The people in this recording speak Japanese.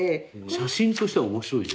写真としては面白いね。